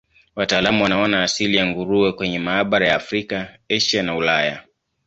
Wataalamu wanaona asili ya nguruwe kwenye mabara ya Afrika, Asia na Ulaya.